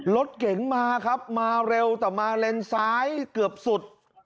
รถเก๋งมาครับมาเร็วแต่มาเลนซ้ายเกือบสุด